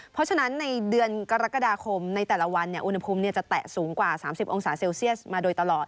เพราะฉะนั้นในเดือนกรกฎาคมในแต่ละวันอุณหภูมิจะแตะสูงกว่า๓๐องศาเซลเซียสมาโดยตลอด